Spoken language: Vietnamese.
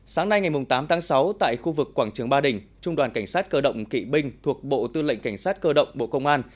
sáng nay ngày tám tháng sáu tại khu vực quảng trường ba đình trung đoàn cảnh sát cơ động kỵ binh thuộc bộ tư lệnh cảnh sát cơ động bộ công an